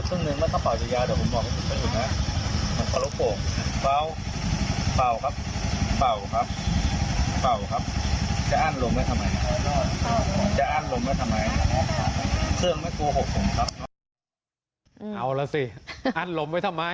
เอาล่ะสิอั้นลมไว้ทำไม